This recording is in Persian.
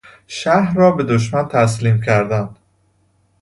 شهر را به دشمن تسلیم کردن